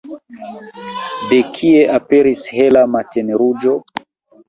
De kie aperis hela matenruĝo?